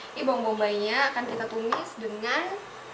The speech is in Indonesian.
ini bawang bombaynya akan kita tumis dengan